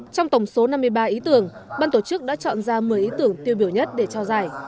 trong tổng số năm mươi ba ý tưởng ban tổ chức đã chọn ra một mươi ý tưởng tiêu biểu nhất để trao giải